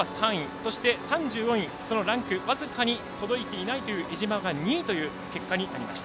そして、３４位、そのランク僅かに届いていない江島が２位という結果になりました。